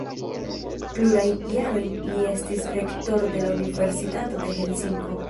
Plurajn jarojn li estis rektoro de la Universitato de Helsinko.